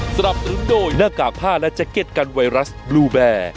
สนับสนุนโดยหน้ากากผ้าและแจ็คเก็ตกันไวรัสบลูแบร์